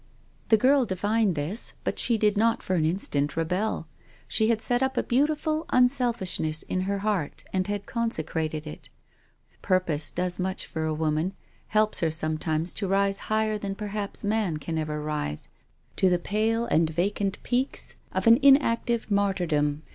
The girl divined this, but she did not for an in stant rebel. She had set up a beautiful unselfish ness in her heart and had consecrated it. Purpose does much for a woman, helps her sometimes to rise higher than perhaps man can ever rise, to the pale and vacant peaks of an inactive martyrdom.